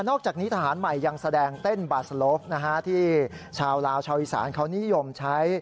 อกจากนี้ทหารใหม่ยังแสดงเต้นบาสโลฟที่ชาวลาวชาวอีสานเขานิยมใช้